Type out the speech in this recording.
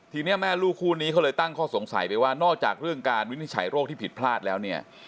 ทีนี้แม่ลูกคู่นี้เขาเลยตั้งข้อสงสัยไปว่านอกจากเรื่องการวินิจฉัยโรคที่ผิดพลาดแล้วเนี่ย